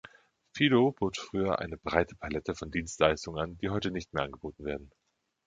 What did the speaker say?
Fido bot früher eine breite Palette von Dienstleistungen an, die heute nicht mehr angeboten werden.